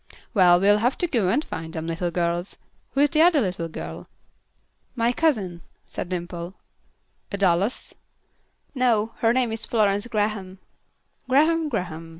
"Well, we'll have to go and find them, little girls. Who is the other little girl?" "My cousin," said Dimple. "A Dallas?" "No; her name is Florence Graham." "Graham, Graham.